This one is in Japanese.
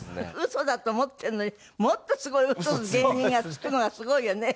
嘘だと思ってるのにもっとすごい嘘を芸人がつくのがすごいよね。